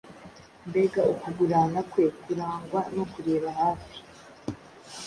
Mbega ukugurana kwe kurangwa no kureba hafi!